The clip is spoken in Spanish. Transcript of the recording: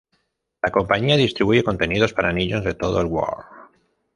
La compañía distribuye contenidos para niños de todo el world.